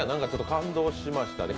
感動しましたね。